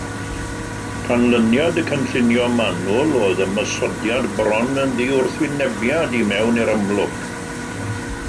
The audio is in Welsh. Canlyniad y cynllunio manwl oedd ymosodiad bron yn ddiwrthwynebiad i mewn i'r amlwg.